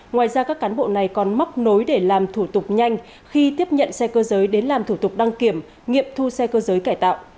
ngoài ra các cán bộ này còn móc nối để làm thủ tục nhanh khi tiếp nhận xe cơ giới đến làm thủ tục đăng kiểm nghiệm thu xe cơ giới cải tạo